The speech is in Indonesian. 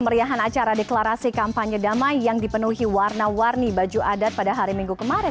meriahan acara deklarasi kampanye damai yang dipenuhi warna warni baju adat pada hari minggu kemarin